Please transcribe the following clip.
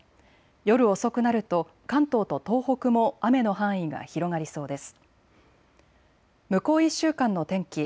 夜遅くなると関東と東北も雨の範囲が広がりそうです。